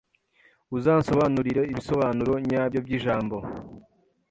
Uzansobanurira ibisobanuro nyabyo byijambo?